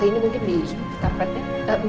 ini mungkin di karpetnya